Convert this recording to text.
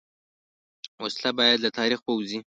وسله باید له تاریخ ووځي